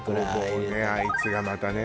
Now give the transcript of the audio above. あいつがまたね。